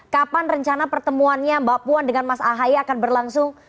kapan rencana pertemuannya mbak puan dengan mas ahaye akan berlangsung